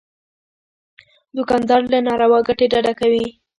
دوکاندار له ناروا ګټې ډډه کوي.